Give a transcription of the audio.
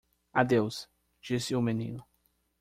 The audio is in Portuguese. "Adeus?" disse o menino.